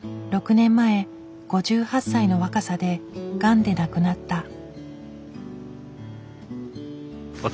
６年前５８歳の若さでがんで亡くなった。